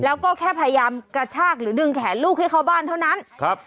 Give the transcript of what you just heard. แล้วก็แค่พยายามกระชากหรือดึงแขนลูกให้เข้าบ้านเท่านั้นครับ